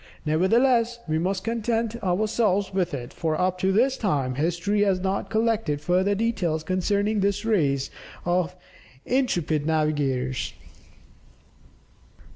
Nevertheless we must content ourselves with it, for up to this time history has not collected further details concerning this race of intrepid navigators.